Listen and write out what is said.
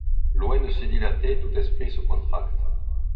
Loin de se dilater, tout esprit se contracte